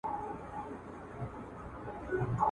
اور د هجر دي زما په زړګي بل کئ